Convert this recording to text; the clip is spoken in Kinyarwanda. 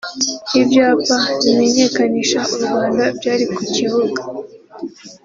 Ibyapa bimenyekanisha u Rwanda byari ku kibuga